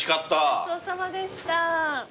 ごちそうさまでした。